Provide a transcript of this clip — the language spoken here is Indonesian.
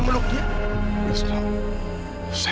kalau kamu kesian sama ibu